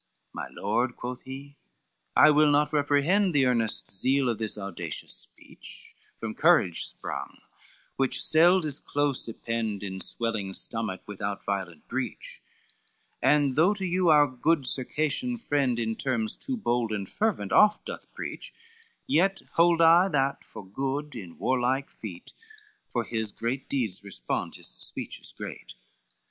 XL "My lord," quoth he, "I will not reprehend The earnest zeal of this audacious speech, From courage sprung, which seld is close ypend In swelling stomach without violent breach: And though to you our good Circassian friend In terms too bold and fervent oft doth preach, Yet hold I that for good, in warlike feat For his great deeds respond his speeches great.